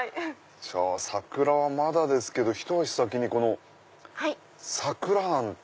じゃあ桜はまだですけどひと足先に桜あんと。